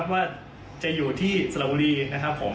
ว่าจะอยู่ที่สระบุรีนะครับผม